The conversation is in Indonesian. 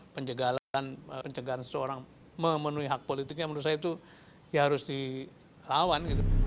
penjagaan seseorang memenuhi hak politiknya menurut saya itu harus dilawan